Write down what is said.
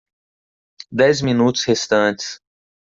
Dez minutos restantes